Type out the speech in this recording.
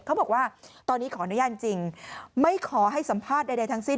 เขาบอกว่าตอนนี้ขออนุญาตจริงไม่ขอให้สัมภาษณ์ใดทั้งสิ้น